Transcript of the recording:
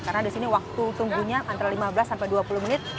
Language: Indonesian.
karena disini waktu tunggunya antara lima belas sampai dua puluh menit